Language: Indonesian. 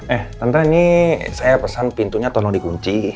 eh tante ini saya pesan pintunya ton dikunci